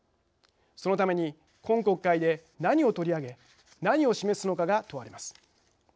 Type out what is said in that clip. そのために今国会で何を取り上げ何を示すのかが問われます。